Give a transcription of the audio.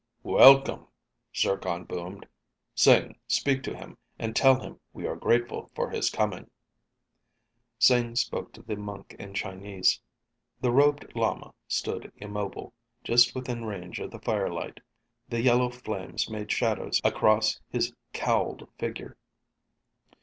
"Welcome," Zircon boomed. "Sing, speak to him and tell him we are grateful for his coming." Sing spoke to the monk in Chinese. The robed lama stood immobile, just within range of the firelight. The yellow flames made shadows across his cowled figure.